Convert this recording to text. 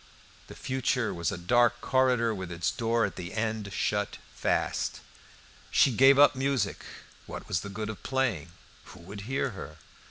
The future was a dark corridor, with its door at the end shut fast. She gave up music. What was the good of playing? Who would hear her?